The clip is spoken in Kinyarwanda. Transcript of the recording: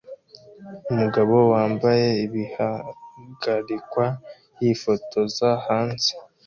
Umugabo wambaye ibihagarikwa yifotoza hanze